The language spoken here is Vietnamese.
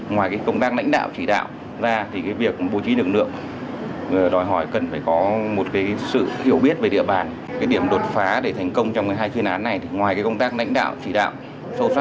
ngoài công tác lãnh đạo chỉ đạo sâu sát của đảng ủy ban đám đốc